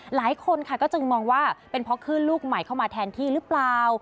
หลายคนค่ะก็จึงมองว่าเป็นเพราะคลื่นลูกใหม่เข้ามาแทนที่หรือเปล่า